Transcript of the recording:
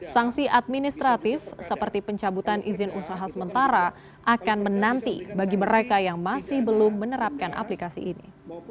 sanksi administratif seperti pencabutan izin usaha sementara akan menanti bagi mereka yang masih belum menerapkan aplikasi ini